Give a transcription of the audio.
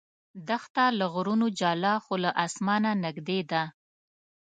دښته له غرونو جلا خو له اسمانه نږدې ده.